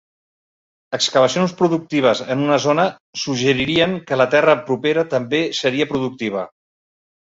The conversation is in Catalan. Excavacions productives en una zona suggeririen que la terra propera també seria productiva.